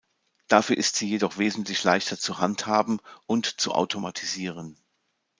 Dafür ist sie jedoch wesentlich leichter zu handhaben und zu automatisieren.